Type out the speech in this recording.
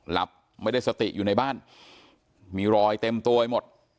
หลับไม่ได้สติอยู่ในบ้านมีรอยเต็มตัวไปหมด